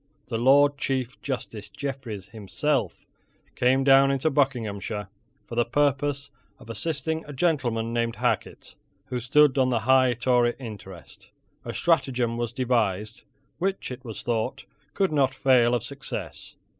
The Lord Chief Justice Jeffreys himself came down into Buckinghamshire, for the purpose of assisting a gentleman named Hacket, who stood on the high Tory interest. A stratagem was devised which, it was thought, could not fail of success.